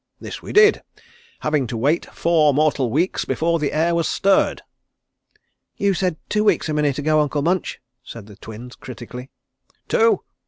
This we did, having to wait four mortal weeks before the air was stirred." "You said two weeks a minute ago, Uncle Munch," said the Twins critically. "Two?